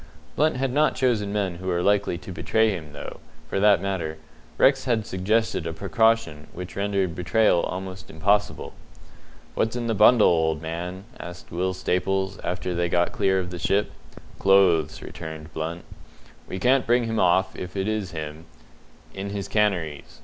Blunt had not chosen men who were likely to betray him, though, for that matter, Rex had suggested a precaution which rendered betrayal almost impossible. "What's in the bundle, old man?" asked Will Staples, after they had got clear of the ship. "Clothes," returned Blunt. "We can't bring him off, if it is him, in his canaries.